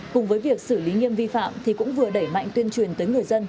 cùng với việc xử lý nghiêm vi phạm thì cũng vừa đẩy mạnh tuyên truyền tới người dân